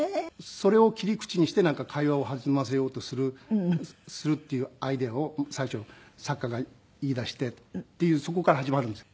それを切り口にして会話を弾ませようとするっていうアイデアを最初作家が言いだしてっていうそこから始まるんですよ。